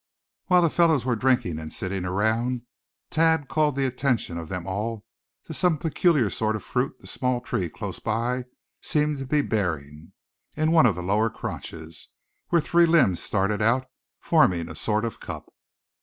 While the fellows were drinking and sitting around, Thad called the attention of them all to some peculiar sort of fruit the small tree close by seemed to be bearing, in one of the lower crotches, where three limbs started out, forming a sort of cup.